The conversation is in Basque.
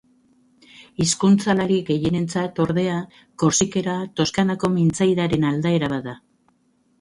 Hizkuntzalari gehienentzat, ordea, korsikera Toskanako mintzairaren aldaera bat da.